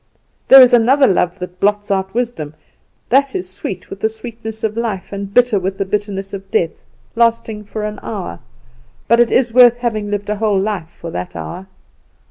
There is another love, that blots out wisdom, that is sweet with the sweetness of life and bitter with the bitterness of death, lasting for an hour; but it is worth having lived a whole life for that hour.